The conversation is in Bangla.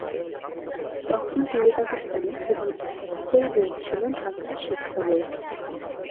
তখন পূর্ব পাকিস্তানে কেবল একটাই বোর্ড ছিল, ঢাকা শিক্ষা বোর্ড।